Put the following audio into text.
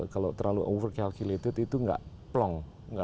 kalau terlalu over calculated itu tidak plong